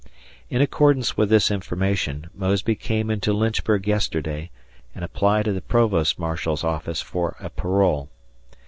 In accordance with this information, Mosby came into Lynchburg yesterday, and applied at the Provost Marshal's office for a parole.